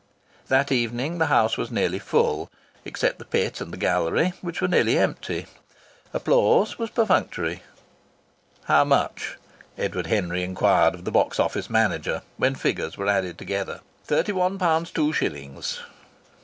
That evening the house was nearly full, except the pit and the gallery, which were nearly empty. Applause was perfunctory. "How much?" Edward Henry inquired of the box office manager when figures were added together. "Thirty one pounds, two shillings."